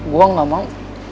gue gak mau